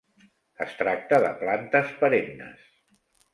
Es tracta de plantes perennes.